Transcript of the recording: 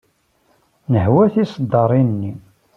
Nehwa tiseddaṛin-nni.